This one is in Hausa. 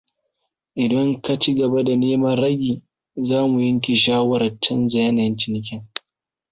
Idan ka ci gaba da neman ragi, za mu yanke shawarar canza yanayin cinikin.